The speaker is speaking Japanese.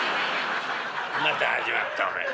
「また始まったおめえ。